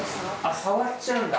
触っちゃうんだ。